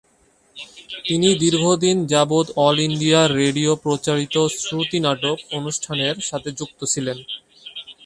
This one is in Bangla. তিনি দীর্ঘদিন যাবৎ অল ইন্ডিয়া রেডিও প্রচারিত "শ্রুতি নাটক" অনুষ্ঠানের সাথে যুক্ত ছিলেন।